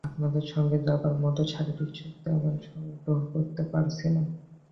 আপনার সঙ্গে যাবার মত শারীরিক শক্তি আমি সংগ্রহ করতে পারছি না।